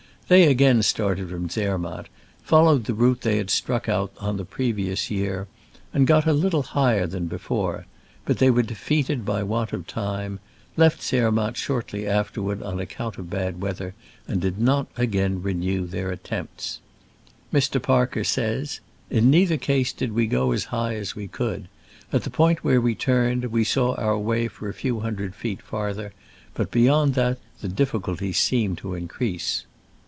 They again started from Zermatt, followed the route they had struck out on the previous year, and got a little higher than before ; but they were defeated by want of time, left Zer matt shortly afterward on account of bad weather, and did not again renew iheir attempts. Mr. Parker says :" In neither case did we go as high as we could. At the point where we turned we saw our way for a few hundred feet farther, but beyond that the difficulties seemed to increase."